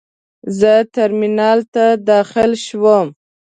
زه ترمینل ته داخل شوم.